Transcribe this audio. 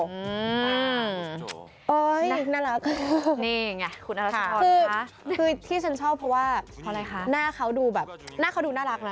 นี่นี่น่ารักคุณอาชะพรค่ะคือที่ฉันชอบเพราะว่าหน้าเขาดูน่ารักแล้ว